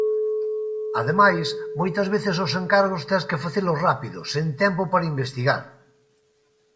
Ademais, moitas veces os encargos tes que facelos rápido, sen tempo para investigar.